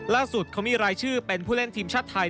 ล่าสุดเขามีรายชื่อเป็นผู้เล่นทีมชาติไทย